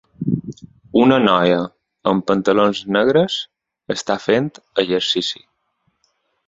Una noia amb pantalons negres està fent exercici.